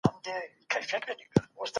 نو توري سم نه معلومیږي.